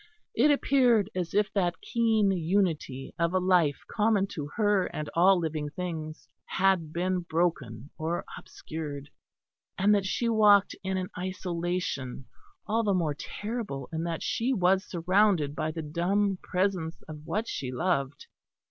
It appeared as if that keen unity of a life common to her and all living things had been broken or obscured; and that she walked in an isolation all the more terrible in that she was surrounded by the dumb presence of what she loved.